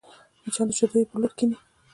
مچان د شیدو پر لوښي کښېني